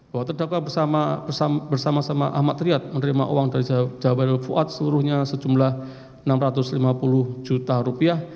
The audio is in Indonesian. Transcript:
bahwa terdakwa bersama sama ahmad riyad menerima uang dari jawa fuad seluruhnya sejumlah enam ratus lima puluh juta rupiah